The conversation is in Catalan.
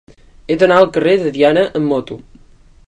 He d'anar al carrer de Diana amb moto.